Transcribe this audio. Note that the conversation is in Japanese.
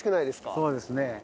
そうですね。